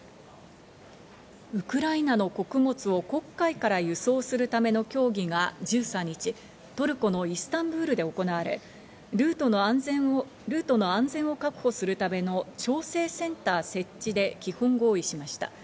ウクライナの穀物を黒海から輸送するための協議が１３日、トルコのイスタンブールで行われ、ルートの安全を確保するための調整センター設置で基本合意しました。